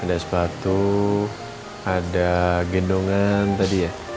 ada sepatu ada gendongan tadi ya